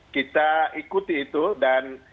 kita ikuti itu dan